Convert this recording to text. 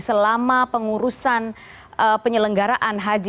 selama pengurusan penyelenggaraan haji